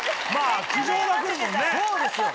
そうですよ！